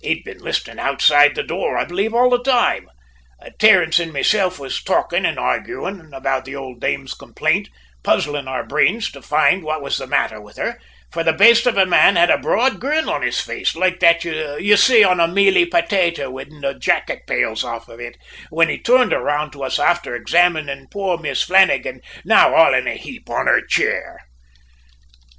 "He'd been listenin' outside the door, I believe, all the toime Terence an' mesilf were talkin' an' arguin' about the ould dame's complaint, puzzlin' our brains to find out what was the mather with her, for the baste of a man had a broad grin on his face, loike that you say on a mealy petaty whin the jacket pales off of it, whin he toorned round to us afther examinin' poor Mistress Flannagan, now all a heap on her chere.